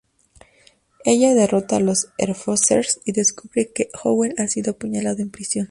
Ella derrota a los Enforcers y descubre que Howell ha sido apuñalado en prisión.